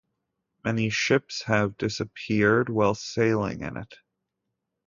Many ships have disappeared while sailing in it.